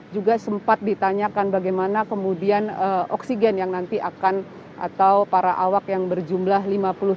juga sempat ditanyakan bagaimana kemudian oksigen yang nanti akan atau para awak yang berjumlah lima puluh tiga orang ini nanti akan bisa bertahan